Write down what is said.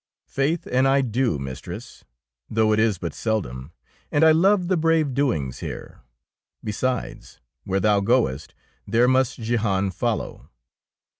''" Faith an' I do, mistress, though it is but seldom, and I love the brave do ings here. Besides, where thou goest, there must Jehan follow.